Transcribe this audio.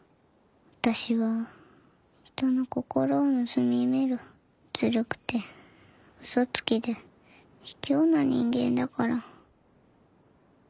私は人の心を盗み見るずるくてうそつきでひきょうな人間だから。